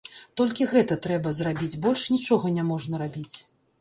Толькі гэта трэба зрабіць, больш нічога не можна рабіць.